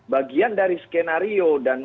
bagian dari skenario